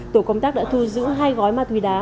tổ công tác đã thu giữ hai gói ma túy đá